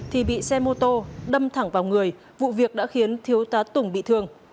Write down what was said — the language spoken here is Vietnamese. thì bị xe mô tô đâm thẳng vào người vụ việc đã khiến thiếu tá tùng bị thương